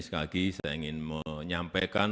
sekali lagi saya ingin menyampaikan